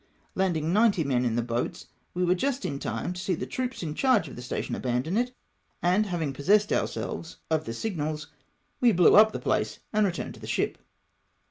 Landing ninety men in the boats, we were just in time to see the troops in charge of the station abandon it ; and having possessed om^selves of the ANCIIOK IN GULF DUMET. 271 signals, we blew up the place and returned to the ship.